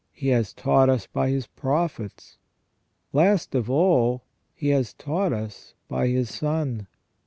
He has taught us by His prophets, last of all He has taught us by His Son.